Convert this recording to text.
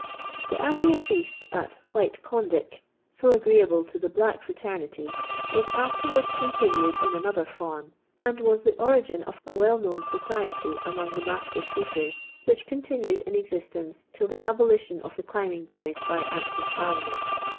The annual feast at " White Condick, 'so agreeable to the black fraternity, was afterwards continued in another form, and was the origin of a well known society among the master sweepiTS, which continued in exi>tcnce till the abolition of the climbing* boys by Act of Parlia ment.